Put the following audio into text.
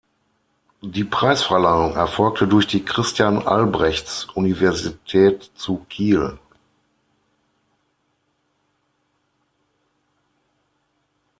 Die Preisverleihung erfolgte durch die Christian-Albrechts-Universität zu Kiel.